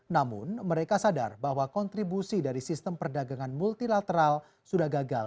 namun mereka sadar bahwa kontribusi dari sistem perdagangan multilateral sudah gagal